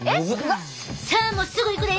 さあもうすぐいくで！